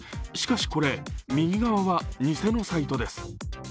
しかしこれ、右側は偽のサイトです